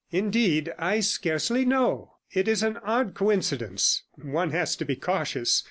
'Indeed, I scarcely know; it is an odd coincidence. One has to be cautious.